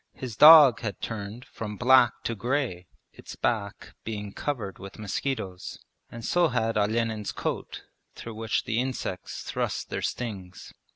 His dog had turned from black to grey, its back being covered with mosquitoes, and so had Olenin's coat through which the insects thrust their stings.